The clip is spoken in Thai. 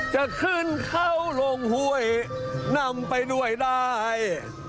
จะขึ้นเขาลงห้วยนำไปด้วยได้